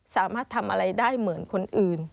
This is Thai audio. สามารถทำอะไรได้เหมือนคนอื่น